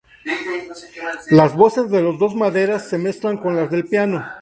Las voces de los dos maderas se mezclan con las del piano.